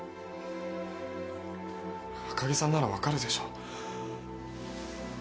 赤城さんなら分かるでしょ？